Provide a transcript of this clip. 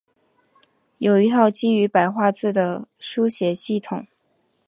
有一套基于白话字的书写系统。